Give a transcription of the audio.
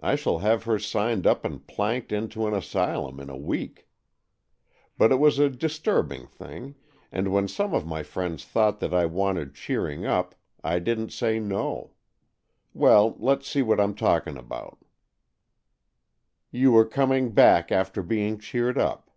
I shall have her signed up and planked into an asylum in a week. But it was a disturbing thing, and when some of my friends thought that I wanted cheering up, I didn't say no. Well, let's see what I'm talking about." "You were coming back after being cheered up."